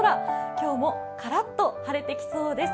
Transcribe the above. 今日もカラッと晴れてきそうです。